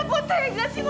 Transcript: ibu mau tahu alasannya apa